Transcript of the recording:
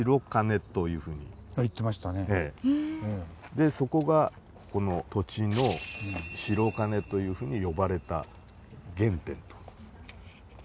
でそこがここの土地の「白金」というふうに呼ばれた原点と。